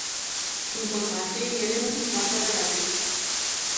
Din păcate, ele nu sunt foarte agreabile.